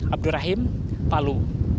abdul rahim palu